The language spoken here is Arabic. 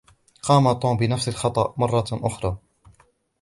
قام توم بنفس الخطأ مرة أخرى.